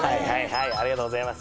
ありがとうございます。